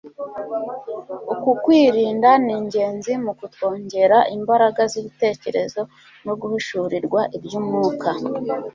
Uku kwirinda ni ingenzi mu kutwongera imbaraga z'ibitekerezo no guhishurirwa iby'umwuka